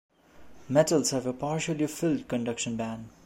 Metals have a partially filled conduction band.